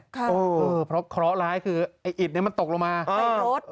ครับเออเพราะคล้อร้ายคือไอ้อิดเนี่ยมันตกลงมาเป็นรถ